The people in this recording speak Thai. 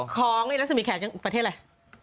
ของลักษมณีแขตประเทศอะไร